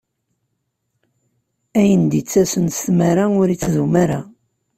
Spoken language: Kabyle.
Ayen d-ittasen s tmara, ur ittdum ara.